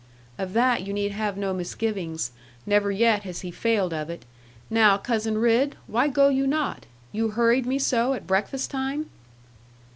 'Of that you need have no misgivings. Never yet has he failed of it. Now, Cousin Ridd, why go you not? You hurried me so at breakfast time?'